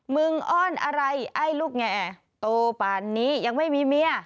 อ้อนอะไรไอ้ลูกแงโตป่านนี้ยังไม่มีเมีย